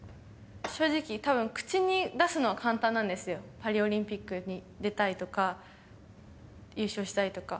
正直、たぶん、口に出すのは簡単なんですよ、パリオリンピックに出たいとか、優勝したいとか。